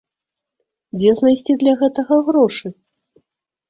Дзе знайсці для гэтага грошы?